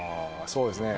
そうですね